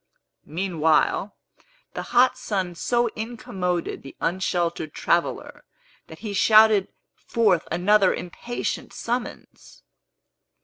Meanwhile, the hot sun so incommoded the unsheltered traveller, that he shouted forth another impatient summons.